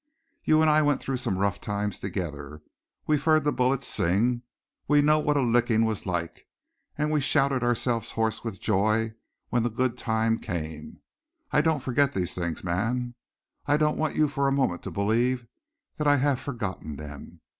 You and I went through some rough times together. We've heard the bullets sing. We've known what a licking was like, and we've shouted ourselves hoarse with joy when the good time came. I don't forget these things, man. I don't want you for a moment to believe that I have forgotten them.